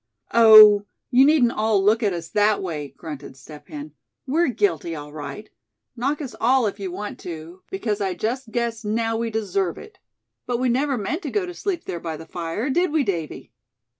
"Oh! you needn't all look at us that way," grunted Step Hen. "We're guilty, all right. Knock us all you want to, because I just guess now we deserve it. But we never meant to go to sleep there by the fire, did we, Davy?"